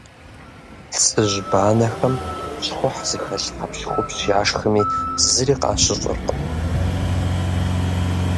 Цыжьбанэхэм щхъухь зыхэлъ хьэпщхупщ яшхми, зыри къащыщӏыркъым.